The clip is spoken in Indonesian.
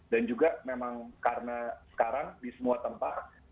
dan juga memang karena sekarang di semua tempat